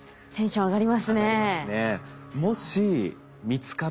上がりますね。